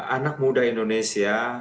anak muda indonesia